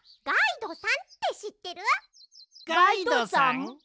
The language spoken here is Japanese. ガイドさん？